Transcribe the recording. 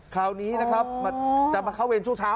คราวนี้นะครับจะมาเข้าเวรช่วงเช้า